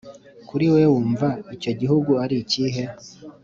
Kuri wowe wumva icyo gihugu ari ikihe?